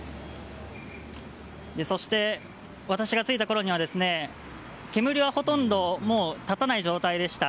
そして、私が着いたころには煙はほとんど立たない状態でした。